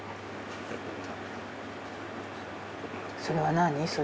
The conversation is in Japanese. それはなに？